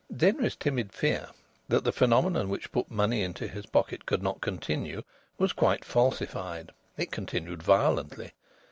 Denry's timid fear that the phenomenon which put money into his pocket could not continue, was quite falsified. It continued violently.